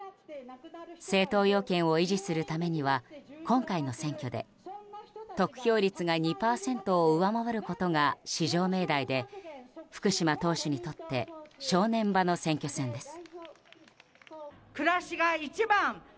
政党要件を維持するためには今回の選挙で得票率が２％を上回ることが至上命題で福島党首にとって正念場の選挙戦です。